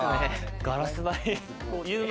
ガラス張り。